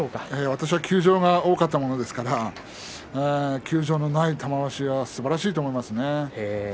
私は休場が多かったので休場のない玉鷲がすばらしいと思いますね。